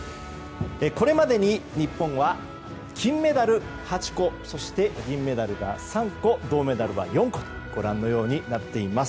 これまでに日本は金メダル８個そして銀メダル３個銅メダル４個とご覧のようになっています。